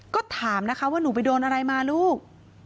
ก็ถามนะคะว่าหนูไปโดนอะไรมาลูก